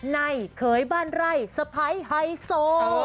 ในเขยบ้านไร่สะพ้ายไฮโซ